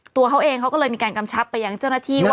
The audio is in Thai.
ตัวเขาเองเขาก็เลยมีการกำชับไปยังเจ้าหน้าที่ว่า